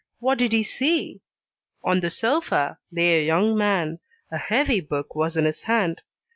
what did he see? On the sofa lay a young man: a heavy book was in his hand.